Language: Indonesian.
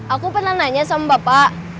aku pernah nanya sama bapak